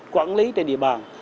quản lý trên địa bàn